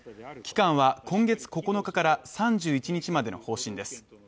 期間は今月９日から３１日までの方針です。